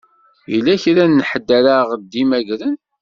Yella kra n ḥedd ara ɣ-d-imagren?